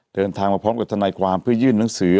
เดินทางมาพร้อมกับทนายความเพื่อยื่นหนังสือ